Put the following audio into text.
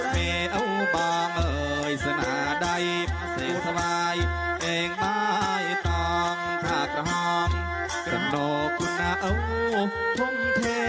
มันน้อยใบสูงแม่ง